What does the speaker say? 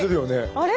あれ？